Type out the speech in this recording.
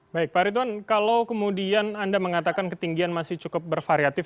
baik pak ritwan kalau kemudian anda mengatakan ketinggian masih cukup bervariatif